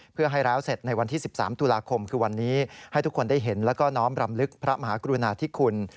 เพื่อให้แล้วเสร็จในวันที่๑๓ตุลาคมคือวันนี้ให้ทุกคนได้เห็นแล้วก็น้อมรำลึกพระมหากรุณาธิคุณ